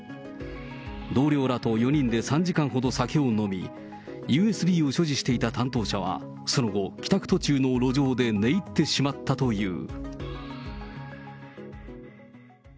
同僚らと４人で３時間ほど酒を飲み、ＵＳＢを所持していた担当者は、その後、帰宅途中の路上で寝入ってしまったという。